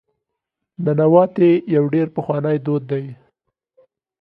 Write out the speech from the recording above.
ننواتې یو ډېر پخوانی دود دی.